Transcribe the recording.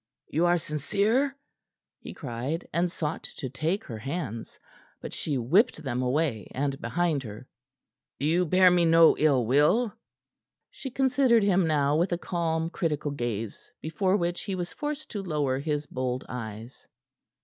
"You are sincere?" he cried, and sought to take her hands; but she whipped them away and behind her. "You bear me no ill will?" She considered him now with a calm, critical gaze, before which he was forced to lower his bold eyes.